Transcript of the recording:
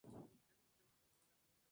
Santo Domingo, República Dominicana.